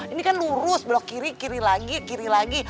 ini kan lurus blok kiri kiri lagi kiri lagi